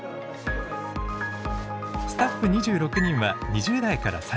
スタッフ２６人は２０代から３０代が中心。